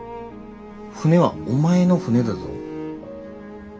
船はお前の船だぞ。